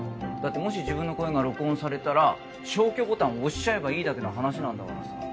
だってもし自分の声が録音されたら消去ボタンを押しちゃえばいいだけの話なんだからさ。